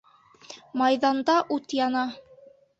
Майҙанда ут яна.